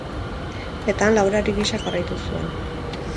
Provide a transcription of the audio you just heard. Eta han laborari gisa jarraitu zuen.